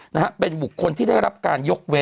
นะฮะเป็นบุคคลที่ได้รับการยกเว้น